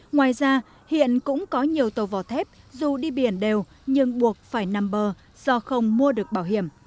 ngoài ra hiện cũng có nhiều tàu vỏ thép dù đi biển đều nhưng buộc phải nằm bờ do không mua được bảo hiểm